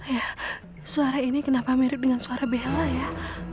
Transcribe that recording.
ya suara ini kenapa mirip dengan suara bella ya